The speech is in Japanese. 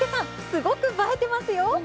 すごく映えてますよ！